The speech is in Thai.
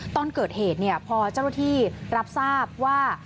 ตอนเกิดเหตุเนี่ยพอเจ้าตัวที่รับทราบว่า